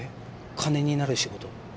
金になる仕事。